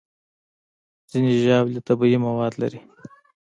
ځینې ژاولې طبیعي مواد لري.